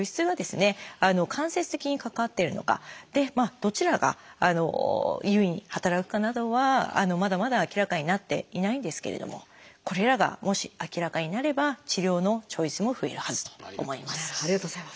どちらが優位に働くかなどはまだまだ明らかになっていないんですけれどもこれらがもし明らかになれば治療のチョイスも増えるはずと思います。